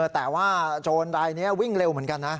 แต่ว่าโจรรายนี้วิ่งเร็วเหมือนกันนะ